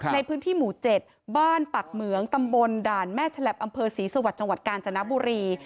ในพื้นที่หมู่๗บ้านปักเหมืองตำบลด่านแม่ฉลับอำเภอศรีสวรรค์จังหวัดกาญจนบุรี